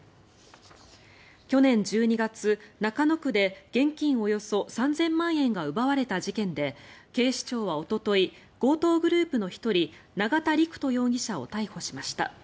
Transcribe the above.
去年１２月、中野区で現金およそ３０００万円が奪われた事件で警視庁は、おととい強盗グループの１人永田陸人容疑者を逮捕しました。